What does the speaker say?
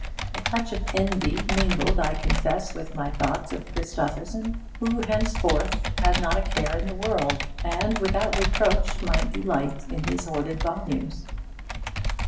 A touch of envy mingled, I confess, with my thought of Christopherson, who henceforth had not a care in the world, and without reproach might delight in his hoarded volumes.